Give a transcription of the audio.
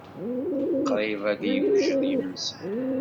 Qrib ad d-yewjed yimensi.